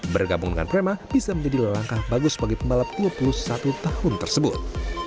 bergabung dengan prema bisa menjadi langkah bagus bagi pembalap dua puluh satu tahun tersebut